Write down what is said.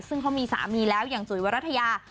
ซึ่งเขามีสามีแล้วอย่างจุ๋ยวรัฐยา